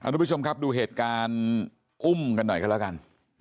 ทุกผู้ชมครับดูเหตุการณ์อุ้มกันหน่อยกันแล้วกัน